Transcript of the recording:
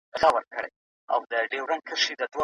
تاسي باید هره شېبه په هیلو سره ژوند تېر کړئ.